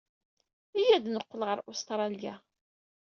Iyya ad neqqel ɣer Ustṛalya.